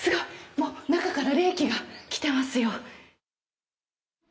もう中から冷気が来てますよ。